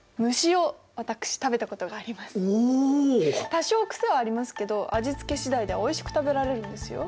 多少癖はありますけど味付け次第ではおいしく食べられるんですよ。